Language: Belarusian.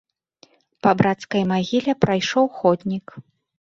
Па брацкай магіле прайшоў ходнік.